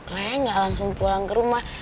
raya gak langsung pulang ke rumah